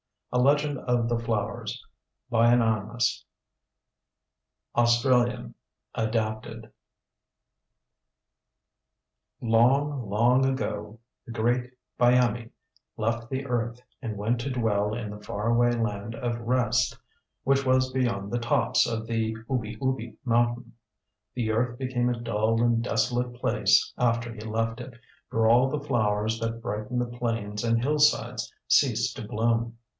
A LEGEND OF THE FLOWERS (AUSTRALIAN) Long, long ago the great Byamee left the earth and went to dwell in the far away land of rest, which was beyond the tops of the Oobi Oobi mountain. The earth became a dull and desolate place after he left it, for all the flowers that brightened the plains and hillsides ceased to bloom.